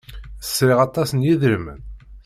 Sriɣ aṭas n yidrimen?